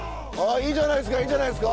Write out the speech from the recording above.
いいじゃないですかいいじゃないですか。